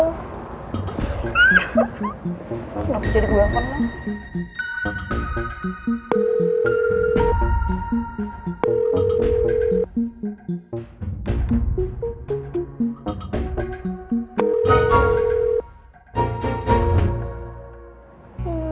kenapa jadi gue yang penuh sih